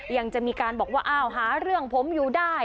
ยังจะมีการบอกว่าอ้าวหาเรื่องผมอยู่ได้